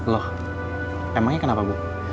loh emangnya kenapa bu